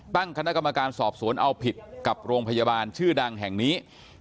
ตั้งคณะกรรมการสอบสวนเอาผิดกับโรงพยาบาลชื่อดังแห่งนี้